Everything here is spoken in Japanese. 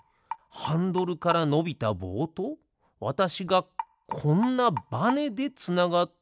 ハンドルからのびたぼうとわたしがこんなバネでつながっているだけ？